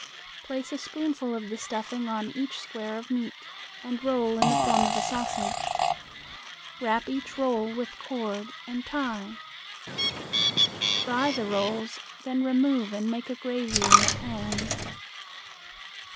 Place a spoonful of the stuffing on each square of meat, and roll in the form of a sausage. Wrap each roll with cord and tie. Fry the rolls, then remove and make a gravy in the pan.